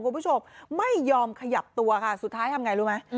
คุณผู้ชมไม่ยอมขยับตัวค่ะสุดท้ายทำไงรู้ไหม